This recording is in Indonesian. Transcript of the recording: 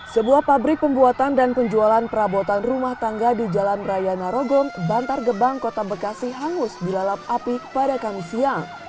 sebuah pabrik pembuatan dan penjualan perabotan rumah tangga di jalan raya narogong bantar gebang kota bekasi hangus dilalap api pada kamis siang